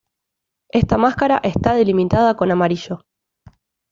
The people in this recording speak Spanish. Esta máscara está delimitada con amarillo.